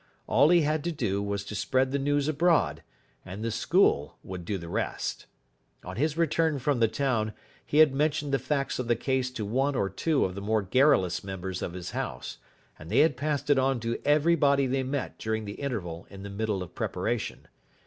All he had to do was to spread the news abroad, and the school would do the rest. On his return from the town he had mentioned the facts of the case to one or two of the more garrulous members of his house, and they had passed it on to everybody they met during the interval in the middle of preparation.